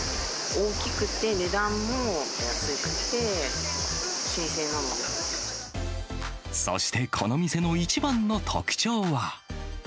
大きくて、そしてこの店の一番の特徴は。